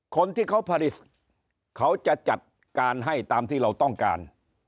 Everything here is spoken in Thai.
คนที่เขาผลิตเขาจะจัดการให้ตามที่เราต้องการ